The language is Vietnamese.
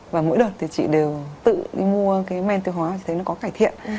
và mỗi đợt thì chị đều tự đi mua men tiêu hóa chị thấy nó có cải thiện